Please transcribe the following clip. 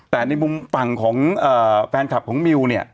แต่ในมุมฝั่งของแฟนคลับของมิวเนี่ย